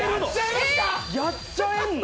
やっちゃえるの？